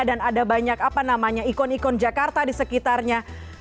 dan ada banyak apa namanya ikon ikon jakarta di sekitarnya